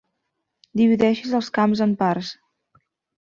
Divideixis els camps en parts.